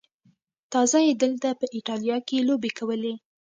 تازه یې دلته په ایټالیا کې لوبې کولې.